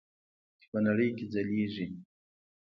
چې په نړۍ کې ځلیږي.